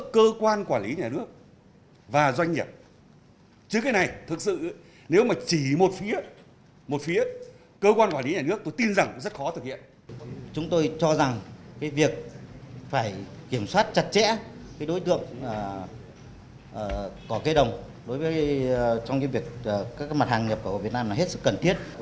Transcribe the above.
các mặt hàng nhập khẩu ở việt nam là hết sức cần thiết